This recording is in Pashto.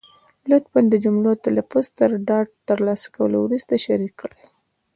لطفا د جملو تلفظ تر ډاډ تر لاسه کولو وروسته شریکې کړئ.